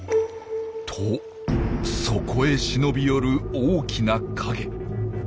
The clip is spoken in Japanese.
とそこへ忍び寄る大きな影。